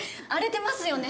荒れてますよね。